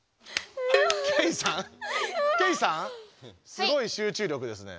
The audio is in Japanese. すごい集中力ですね。